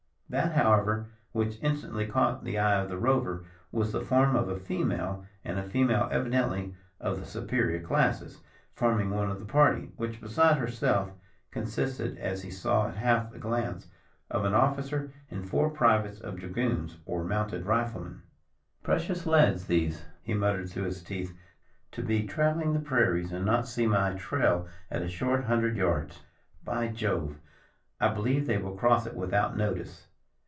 That, however, which instantly caught the eye of the rover, was the form of a female and a female, evidently, of the superior classes, forming one of the party, which, beside herself, consisted, as he saw at half a glance, of an officer and four privates of dragoons, or mounted riflemen. "Precious lads, truly, these," he muttered through his teeth, "to be travelling the prairies, and not see my trail at a short hundred yards. By Jove! I believe they will cross it without notice.